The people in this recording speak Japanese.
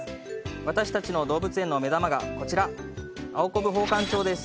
私達の動物園の目玉がこちらアオコブホウカンチョウです